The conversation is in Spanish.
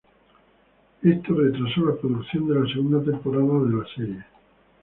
Esto retrasó la producción de la segunda temporada de la serie.